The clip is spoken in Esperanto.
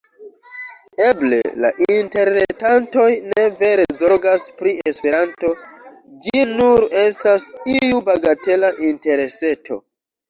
Eble la interretantoj ne vere zorgas pri Esperanto, ĝi nur estas iu bagatela intereseto.